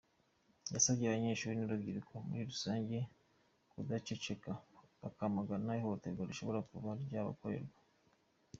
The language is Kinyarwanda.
Yasabye abanyeshuri n’urubyiruko muri rusange kudaceceka, bakamagana ihohoterwa rishobora kuba ryabakorerwa.